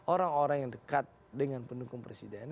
orang orang yang dekat dengan pendukung presiden